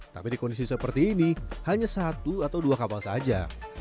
tapi di kondisi seperti ini hanya satu atau dua kapal saja